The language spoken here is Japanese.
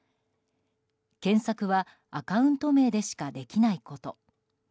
検索はアカウント名でしかできないこと。